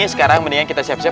sekarang mendingan kita siap siap